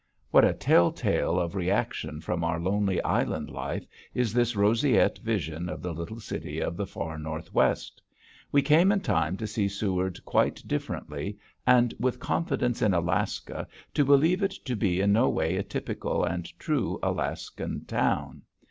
What a telltale of reaction from our lonely island life is this roseate vision of the little city of the far northwest! We came in time to see Seward quite differently and, with confidence in Alaska, to believe it to be in no way a typical and true Alaskan town.